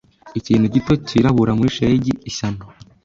Ikintu gito cyirabura muri shelegi ishyano